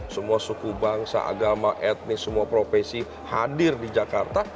semua suku bangsa agama etnis semua profesi hadir di jakarta